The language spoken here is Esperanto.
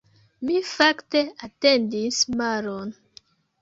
Mi fakte atendis malon.